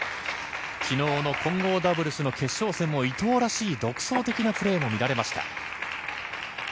昨日の混合ダブルス決勝でも伊藤らしい独創的なプレーが見られました。